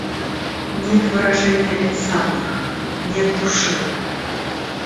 Нет выражения лица в них, нет души.